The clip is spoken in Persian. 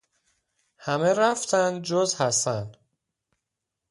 همه رفتند جز حسن.